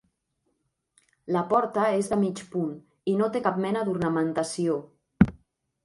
La porta és de mig punt i no té cap mena d'ornamentació.